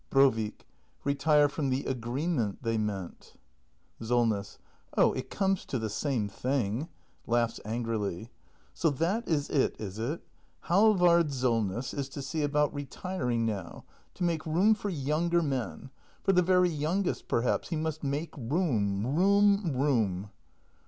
Brovik. Retire from the agreement, they meant. Solness. Oh, it comes to the same thing. [Laughs angrily^ So that is it, is it? Halvard Solness is to see about re act i] THE MASTER BUILDER 257 tiring now! To make room for younger men! For the very youngest, perhaps! He must make room! Room!